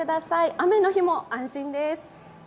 雨の日も安心です。